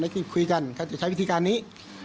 ที่คุยกันเขาจะใช้วิธีการนี้